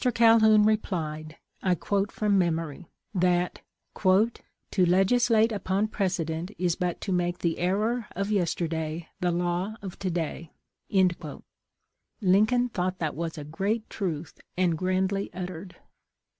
Calhoun replied (I quote from memory) that ' to legislate upon precedent is but to make the error of yesterday the law of to day.' Lincoln thought that was a great truth and grandly uttered.